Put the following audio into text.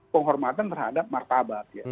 penghormatan terhadap martabat